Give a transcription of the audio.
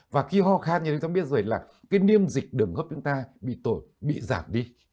và khi ho khen như chúng ta biết rồi là cái niêm dịch đồng hấp chúng ta bị giảm đi